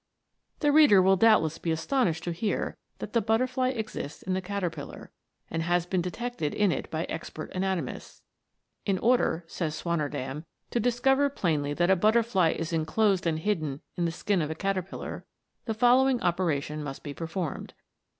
The reader will doubtless be astonished to hear that the butterfly exists in the caterpillar, and has been detected in it by expert anatomists. " In order," says Swammerdam, "to discover plainly that a butterfly is enclosed and hidden in the skin of the caterpillar, the following operation must be performed.